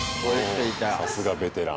さすがベテラン。